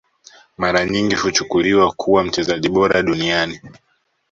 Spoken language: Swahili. Mara nyingi huchukuliwa kuwa mchezaji bora duniani